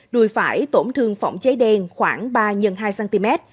đùi phải tổn thương phỏng cháy đen khoảng ba x hai cm